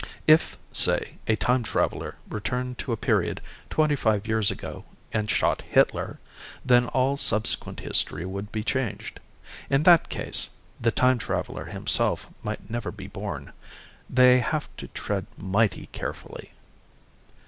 If, say, a time traveler returned to a period of twenty five years ago and shot Hitler, then all subsequent history would be changed. In that case, the time traveler himself might never be born. They have to tread mighty carefully."